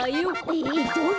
えっどれ？